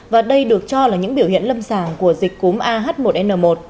và đây được cho là những biểu hiện lâm sàng của dịch cúm ah một n một